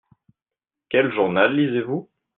Quel journal lisez-vous ?